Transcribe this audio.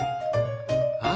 あ？